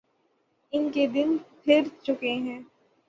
ان کے دن پھر چکے ہیں۔